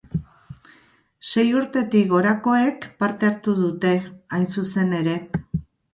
Sei urtetik gorakoek parte hartu dute, hain zuzen ere.